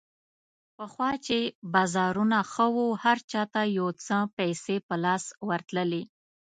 پخوا چې بازارونه ښه وو، هر چا ته یو څه پیسې په لاس ورتللې.